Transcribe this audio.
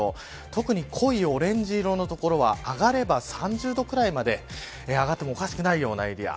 特に濃いオレンジ色の所は上がれは３０度ぐらいまで上がってもおかしくないようなエリア。